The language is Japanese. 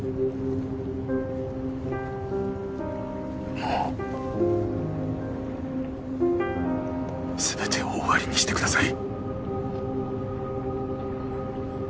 もう全てを終わりにしてください